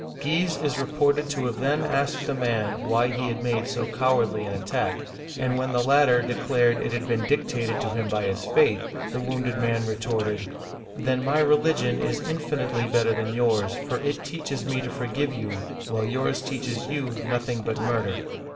Guise is reported to have then asked the man why he had made so cowardly an attack, and when the latter declared it had been dictated to him by his faith, the wounded man retorted :" Then my religion is infinitely better than yours, for it teaches me to forgive you, while yours teaches you nothing but murder!